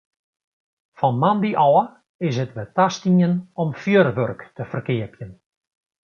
Fan moandei ôf is it wer tastien om fjurwurk te ferkeapjen.